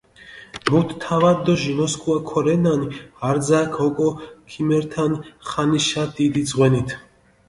მუთ თავადი დო ჟინოსქუა ქორენან, არძაქ ოკო ქიმერთან ხანიშა დიდი ძღვენით.